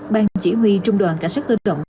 ban chỉ huy trung đoàn cảnh sát cơ động